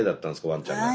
ワンちゃんが。